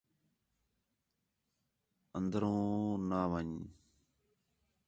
اندر ون٘ڄ نہ ون٘ڄ